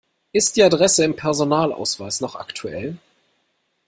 Ist die Adresse im Personalausweis noch aktuell?